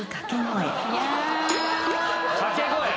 掛け声？